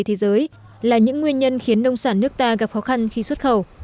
thế giới là những nguyên nhân khiến nông sản nước ta gặp khó khăn khi xuất khẩu